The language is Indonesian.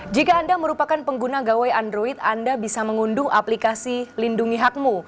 jika anda merupakan pengguna gawai android anda bisa mengunduh aplikasi lindungi hakmu